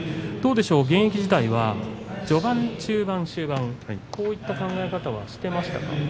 どうでしょう、現役時代は序盤中盤終盤そういった考え方はしていましたか。